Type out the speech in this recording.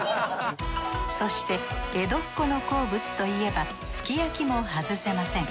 そして江戸っ子の好物といえばすき焼きも外せません。